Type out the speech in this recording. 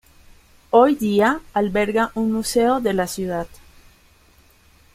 Hoy día alberga un museo de la ciudad.